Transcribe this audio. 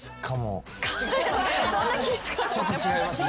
ちょっと違いますね。